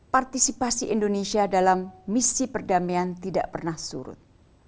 partisipasi indonesia dalam misi perdamaian tidak pernah surut